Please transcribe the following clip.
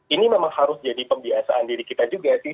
ini memang harus jadi pembiasaan diri kita juga sih